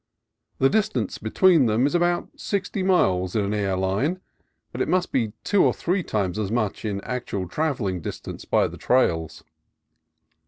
The dis tance between them is about sixty miles in an air line, but must be two or three times as much in actual travelling distance by the trails.